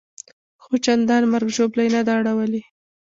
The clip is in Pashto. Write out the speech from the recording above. خو چندان مرګ ژوبله یې نه ده اړولې.